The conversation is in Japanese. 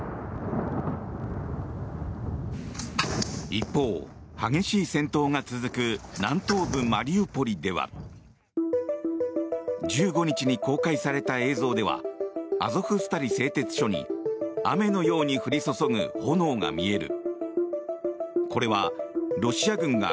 一方、激しい戦闘が続く南東部マリウポリでは１５日に公開された映像ではアゾフスタリ製鉄所に雨のように降り注ぐ炎が見える。